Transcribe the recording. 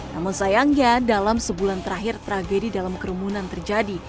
namun sayangnya dalam sebulan terakhir tragedi dalam kerumunan terjadi